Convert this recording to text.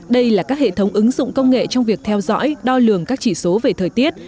đây là các hệ thống ứng dụng công nghệ trong việc theo dõi đo lường các chỉ số về thời tiết